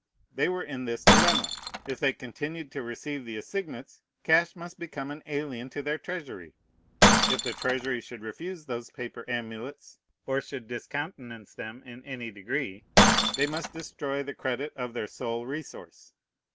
They were in this dilemma: If they continued to receive the assignats, cash must become an alien to their Treasury; if the Treasury should refuse those paper amulets, or should discountenance them in any degree, they must destroy the credit of their sole resource.